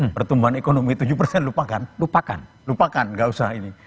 pertumbuhan ekonomi tujuh persen lupakan lupakan lupakan gak usah ini